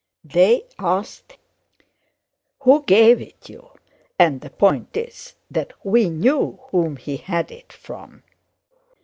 "They asked him, 'Who gave it you?' And the point is that we knew whom he had it from.